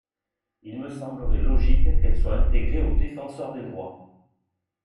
Il me semblerait logique qu’elle soit intégrée au Défenseur des droits.